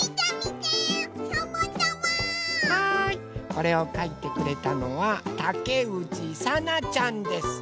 これをかいてくれたのはたけうちさなちゃんです。